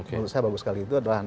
untuk saya bagus sekali